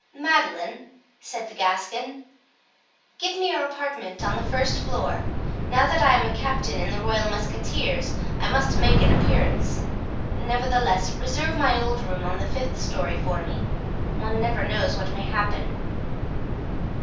"Madeleine," said the Gascon, "give me your apartment on the first floor; now that I am a captain in the royal musketeers I must make an appearance; nevertheless, reserve my old room on the fifth story for me; one never knows what may happen."